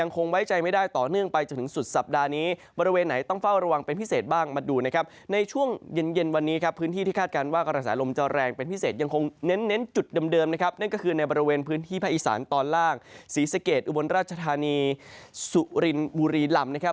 ที่ภาคอิสานตอนล่างศรีสเกตอุบันราชธานีสุรินบุรีลำ